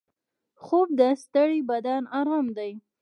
خوب د ستړي بدن ارام دی